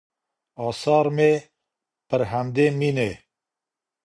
آثار مې پر همدې مینې